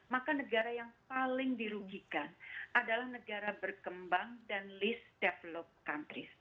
maka negara yang paling dirugikan adalah negara berkembang dan list develop countries